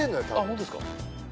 ホントですか？